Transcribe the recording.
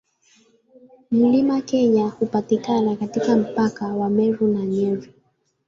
Mlima Kenya hupatikana katika mpaka wa Meru na Nyeri.